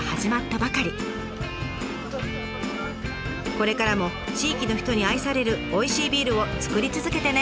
これからも地域の人に愛されるおいしいビールをつくり続けてね！